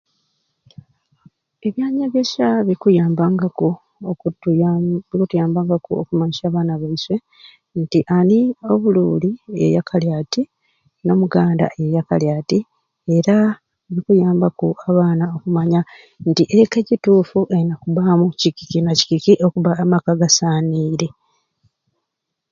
Ebyanyegesya bikuyambaku okutuyamba bikutambula okumanyisya abaana baiswe nti ani e Buruuli beyakalya ati n'omuganda yeyakalya ati era bikuyambaku abaana okumanya nti eka egituufu erina kubbaamu kiki na kiki okubba amaka agasaaniire.